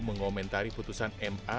mengomentari putusan ma